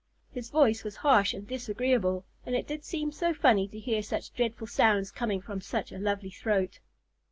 His voice was harsh and disagreeable, and it did seem so funny to hear such dreadful sounds coming from such a lovely throat.